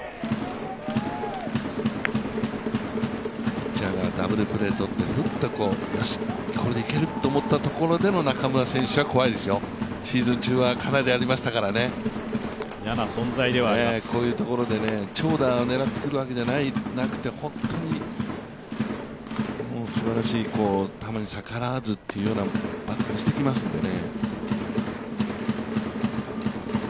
ピッチャーがダブルプレー取って、よし、これでいけると思ったところの中村選手は怖いですよ、シーズン中はかなりありましたからね、こういうところで長打を狙ってくるわけじゃなくて、本当にすばらしい、球に逆らわずというバッティングしてきますからね。